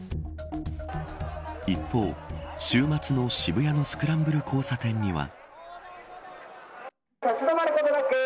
一方、週末の渋谷のスクランブル交差点には。